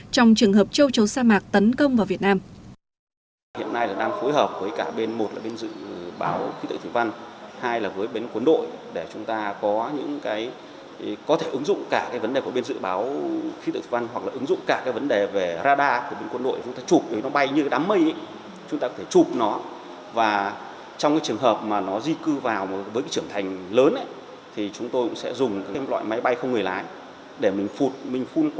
trong trường hợp châu chấu sa mạc tấn công vào việt nam